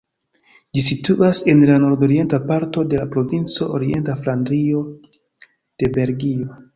Ĝi situas en la nordorienta parto de la provinco Orienta Flandrio de Belgio.